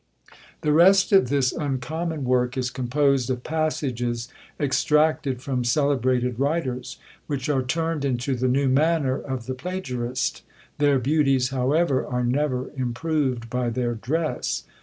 The rest of this uncommon work is composed of passages extracted from celebrated writers, which are turned into the new manner of the plagiarist; their beauties, however, are never improved by their dress.